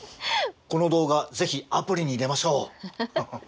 この動画是非アプリに入れましょう。